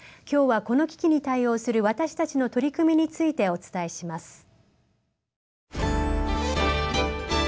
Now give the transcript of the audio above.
今日はこの危機に対応する私たちの取り組みについてお伝えします。